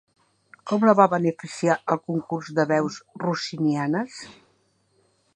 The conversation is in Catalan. Com la va beneficiar el Concurs de Veus Rossinianes?